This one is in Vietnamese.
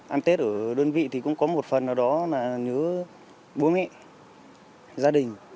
ăn tết ở đơn vị thì cũng có một phần là nhớ bố mẹ